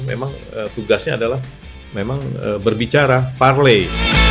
memang tugasnya adalah memang berbicara parley